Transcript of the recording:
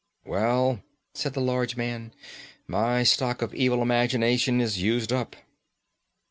"Well," said the large man, "my stock of evil imagination is used up."